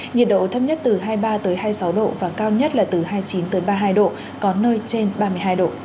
nhiệt độ thấp nhất từ hai mươi ba hai mươi sáu độ và cao nhất là từ hai mươi chín ba mươi hai độ có nơi trên ba mươi hai độ